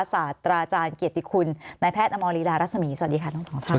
ศาสตราอาจารย์เกียรติคุณนายแพทย์อมรีดารัศมีสวัสดีค่ะทั้งสองท่าน